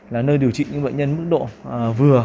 là nơi điều trị những bệnh nhân mức độ vừa